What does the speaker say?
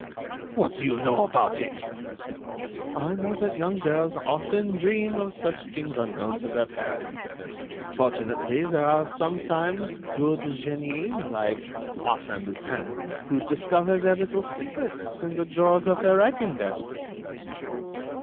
"What do you know about it?" "I know that young girls often dream of such things unknown to their parents. Fortunately, there are sometimes good genii like Arsène Lupin who discover their little secrets in the drawers of their writing desks."